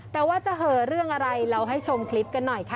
แต่ว่าจะเหอเรื่องอะไรเราให้ชมคลิปกันหน่อยค่ะ